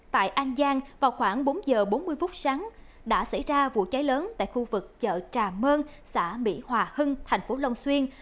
tại an giang vào khoảng bốn giờ bốn mươi phút sáng đã xảy ra vụ cháy lớn tại khu vực chợ trà mơn xã mỹ hòa hưng thành phố long xuyên